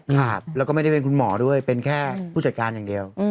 ครับแล้วก็ไม่ได้เป็นคุณหมอด้วยเป็นแค่ผู้จัดการอย่างเดียว